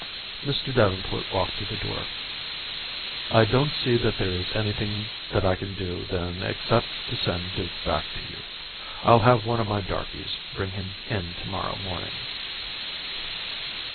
Mr. Davenport walked to the door. "I don't see that there is anything that I can do then except to send Duke back to you. I'll have one of my darkies bring him in to morrow morning."